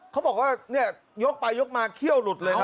เขาบอกว่าเนี่ยยกไปยกมาเขี้ยวหลุดเลยนะ